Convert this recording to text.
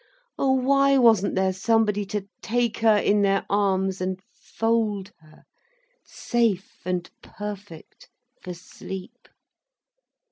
Oh, why wasn't there somebody to take her in their arms and fold her safe and perfect, for sleep.